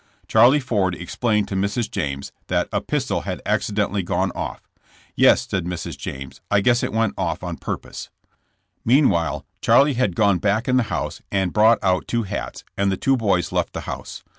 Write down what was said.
Charlie Ford explained to Mrs. James that *'a pistol had accidentally gone oflt." "Yes," said Mrs. 100 JKSSK JAMBS. James, "I guess it went off on purpose." Mean while Charlie had gone back in the house and brought out two hats, and the two boys left the house.